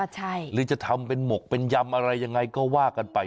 ใช่หรือจะทำเป็นหมกเป็นยำอะไรยังไงก็ว่ากันไป